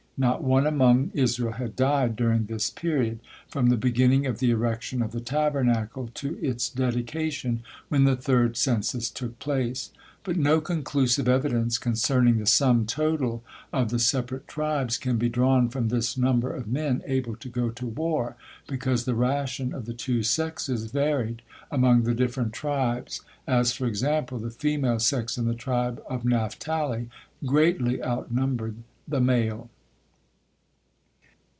Not one among Israel had died during this period, from the beginning of the erection of the Tabernacle to its dedication, when the third census took place. But no conclusive evidence concerning the sum total of the separate tribes can be drawn from this number of men able to go to war, because the ration of the two sexes varied among the different tribes, as, for example, the female sex in the tribe of Naphtali greatly outnumbered the male.